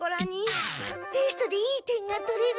テストでいい点が取れるようにと。